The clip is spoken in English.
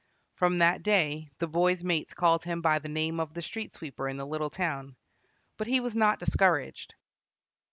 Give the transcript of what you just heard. From that day the boy's mates called him by the name of the street sweeper in the little town. But he was not discouraged.